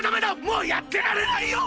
もうやってられないよ！